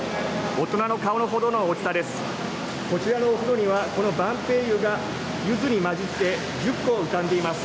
大人の顔ほどの大きさです。